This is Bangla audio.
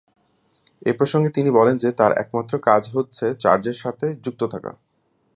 এ প্রসঙ্গে তিনি বলেন যে, তার একমাত্র কাজ হচ্ছে চার্চের সাথে যুক্ত থাকা।